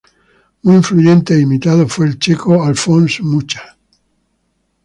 Muy influyente e imitado fue el checo Alfons Mucha.